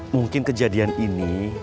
mungkin kejadian ini